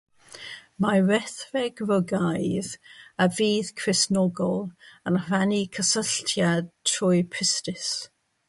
Mae rhethreg Roegaidd a ffydd Gristnogol yn rhannu cysylltiad trwy pistis.